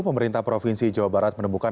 pemerintah provinsi jawa barat menemukan